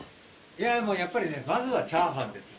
いやもうやっぱりねまずはチャーハンですね。